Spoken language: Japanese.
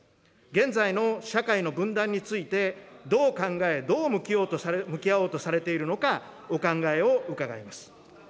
現在の社会の分断について、どう考え、どう向き合おうとされているのか、お考えを伺います。